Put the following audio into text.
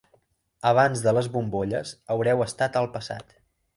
Abans de les bombolles, haureu estat al passat.